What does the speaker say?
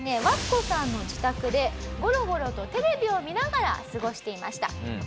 ワスコさんの自宅でゴロゴロとテレビを見ながら過ごしていました。